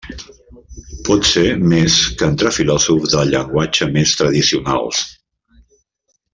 Potser més que entre filòsofs del llenguatge més tradicionals.